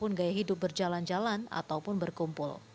tidak untuk nyuri hidup berjalan jalan ataupun berkumpul